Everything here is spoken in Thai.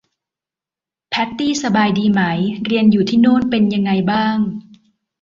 แพทตี้สบายดีไหม เรียนอยู่ที่นู่นเป็นยังไงบ้าง